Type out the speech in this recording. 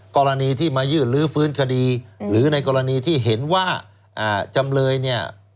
กรณีที่มายื่นลื้อฟื้นคดีหรือในกรณีที่เห็นว่าจำเลยเนี่ย